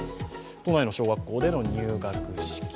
都内の小学校での入学式。